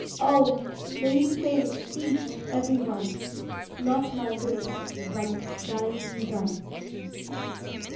Oh! may we say, each, every one, "Not my will, but thine be done."